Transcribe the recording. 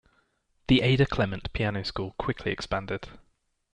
The Ada Clement Piano School quickly expanded.